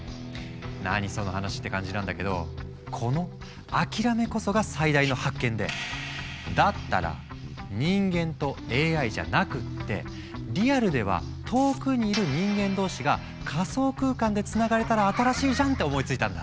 何その話？って感じなんだけどこの諦めこそが最大の発見でだったら人間とＡＩじゃなくってリアルでは遠くにいる人間同士が仮想空間でつながれたら新しいじゃんって思いついたんだ。